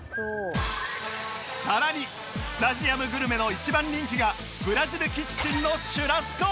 さらにスタジアムグルメの一番人気がブラジルキッチンのシュラスコ